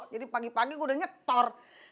jadi pagi pagi gua udah nyetor